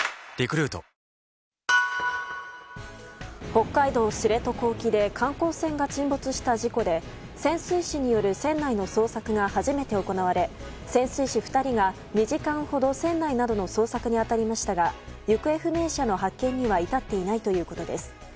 北海道知床沖で観光船が沈没した事故で潜水士による船内の捜索が初めて行われ潜水士２人が、２時間ほど船内などの捜索に当たりましたが行方不明者の発見には至っていないということです。